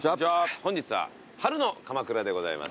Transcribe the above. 本日は春の鎌倉でございます。